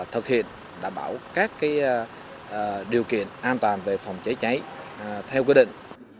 thực hiện đảm bảo các điều kiện an toàn về phòng cháy cháy theo quy định